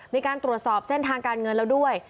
มีการตรวจสอบเส้นทางการเงินแล้วด้วย